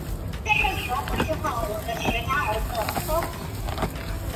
心里觉得有点凄凉